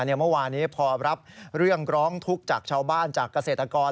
เมื่อวานี้พอรับเรื่องร้องทุกข์จากชาวบ้านจากเกษตรกร